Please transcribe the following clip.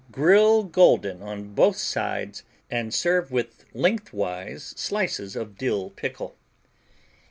Grill golden on both sides and serve with lengthwise slices of dill pickle.